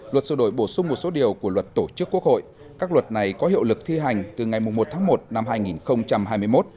luật sửa đổi bổ sung một số điều của luật tổ chức quốc hội các luật này có hiệu lực thi hành từ ngày một tháng một năm hai nghìn hai mươi một